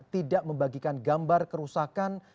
tidak membagikan gambar kerusakan